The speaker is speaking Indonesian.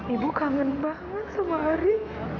ibu kangen banget sama ari